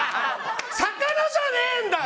魚じゃねえんだよ！